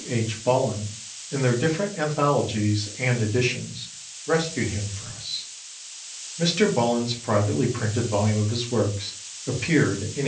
H. Bullen in their different anthologies and editions rescued him for us. Mr. Bullen's privately printed volume of his works appeared in 1889.